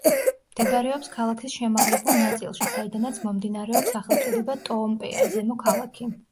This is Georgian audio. მდებარეობს ქალაქის შემაღლებულ ნაწილში საიდანაც მომდინარეობს სახელწოდება ტოომპეა, ზემო ქალაქი.